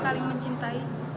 sudah saling mencintai ya